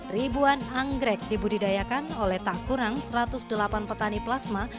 ribuan anggrek dibudidayakan oleh tak kurang satu ratus delapan petani plasma